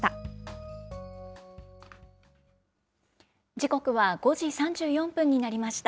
時刻は５時３４分になりました。